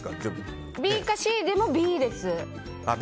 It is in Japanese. ＢかＣでもＢです。